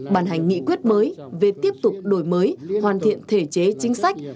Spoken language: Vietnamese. bàn hành nghị quyết mới về tiếp tục đổi mới hoàn thiện thể chế chính sách